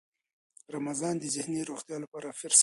رمضان د ذهني روغتیا لپاره فرصت دی.